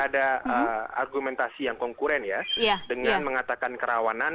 ada argumentasi yang konkuren ya dengan mengatakan kerawanan